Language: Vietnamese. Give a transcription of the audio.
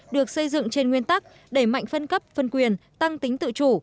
được xây dựng trên nguyên tắc đẩy mạnh phân cấp phân quyền tăng tính tự chủ